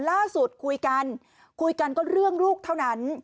ล่าสุดคุยกันคุยกันก็เรื่องลูกเท่านั้น